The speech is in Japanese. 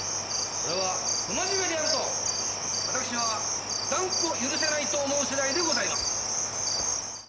これは不真面目であると私は断固許せないと思う次第でございます。